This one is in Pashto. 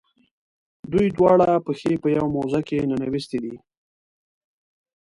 دوی دواړه پښې په یوه موزه کې ننویستي دي.